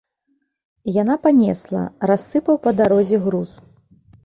Яна панесла, рассыпаў па дарозе груз.